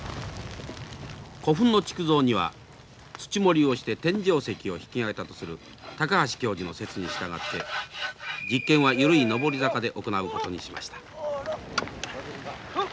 古墳の築造には土盛りをして天井石を引き上げたとする高橋教授の説に従って実験は緩い上り坂で行うことにしました。